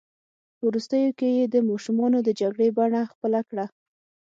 په وروستیو کې یې د ماشومانو د جګړې بڼه خپله کړه.